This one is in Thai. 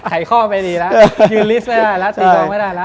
หายข้อไปดีล่ะยืนลิสต์ไม่ได้ล่ะติดลองไม่ได้ล่ะ